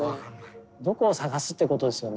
どこを捜すってことですよね。